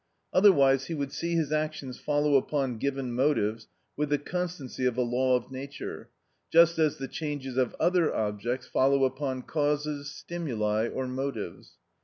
Otherwise he would see his actions follow upon given motives with the constancy of a law of nature, just as the changes of other objects follow upon causes, stimuli, or motives.